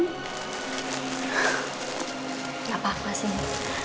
gak apa apa sih bu